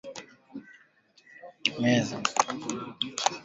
Dalili ya kuoza kwato ni ngozi iliyo katikati ya kwato kuwa na wekundu